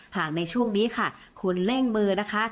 หากในช่วงนี้ค่ะคุณเล่งมือนะคะ